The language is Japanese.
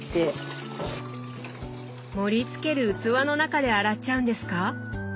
盛り付ける器の中で洗っちゃうんですか